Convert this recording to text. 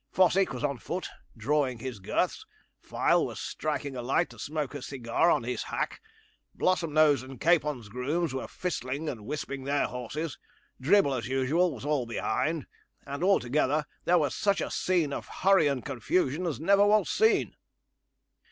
Fossick was on foot, drawing his girths; Fyle was striking a light to smoke a cigar on his hack; Blossomnose and Capon's grooms were fistling and wisping their horses; Dribble, as usual, was all behind; and altogether there was such a scene of hurry and confusion as never was seen.